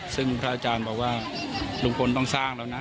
ซึ่งพระอาจารย์บอกว่าลุงพลต้องสร้างแล้วนะ